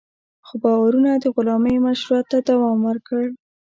خو باورونه د غلامۍ مشروعیت ته دوام ورکړ.